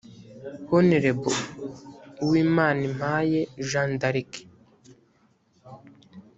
hon uwimanimpaye jean d’ arc